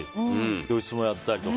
教室もやったりとか。